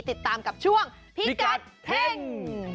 ติดตามกับช่วงพิกัดเฮ่ง